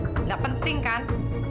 nggak penting kan